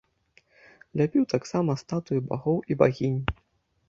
Ляпіў таксама статуі багоў і багінь.